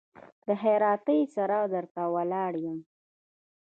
د هراتۍ سره در ته ولاړ يم.